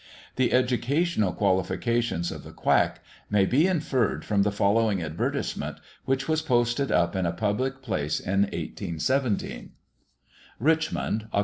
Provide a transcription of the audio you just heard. The educational qualifications of the quack may be inferred from the following advertisement, which was posted up in a public place in 1817: "Richmond, Oct.